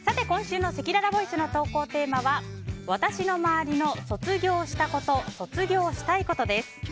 今週のせきららボイスの投稿テーマは私のまわりの卒業したこと卒業したいことです。